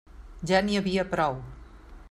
Ja n'hi havia prou.